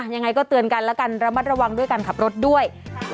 ยังไงก็เตือนกันแล้วกันระมัดระวังด้วยการขับรถด้วย